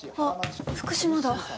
あっ福島だ。